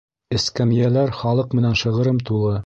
Эскәмйәләр халыҡ менән шығырым тулы.